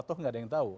tuh nggak ada yang tahu